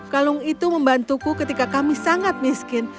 kalung itu membantuku ketika kami sangat miskin